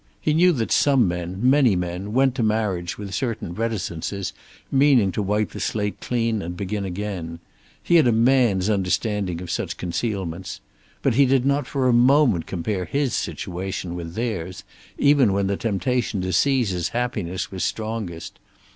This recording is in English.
He knew that some men, many men, went to marriage with certain reticences, meaning to wipe the slate clean and begin again. He had a man's understanding of such concealments. But he did not for a moment compare his situation with theirs, even when the temptation to seize his happiness was strongest.